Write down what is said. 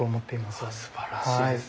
すばらしいです。